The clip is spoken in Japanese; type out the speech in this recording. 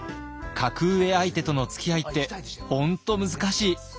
格上相手とのつきあいって本当難しい。